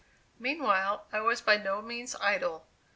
Meanwhile, I was by no means idle.